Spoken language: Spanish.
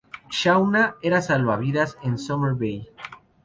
Shauna era salvavidas en Summer Bay.